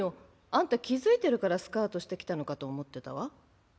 あんた気付いてるからスカウトしてきたのかと思ってたわ。